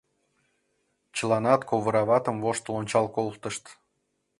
Чыланат ковыра ватым воштыл ончал колтышт.